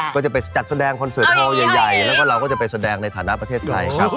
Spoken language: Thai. ก็จะไปจัดแสดงคอนเสิร์ตโฮลใหญ่แล้วก็เราก็จะไปแสดงในฐานะประเทศไทยครับ